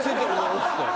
っつって。